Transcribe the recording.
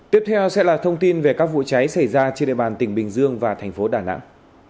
tiếp theo sẽ là thông tin về các vụ cháy xảy ra trên địa bàn tỉnh bình dương và thành phố đà nẵng